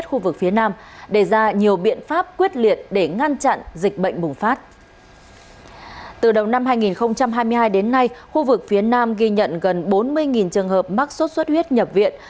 từ đầu năm hai nghìn hai mươi hai đến nay khu vực phía nam ghi nhận gần bốn mươi trường hợp mắc sốt xuất huyết nhập viện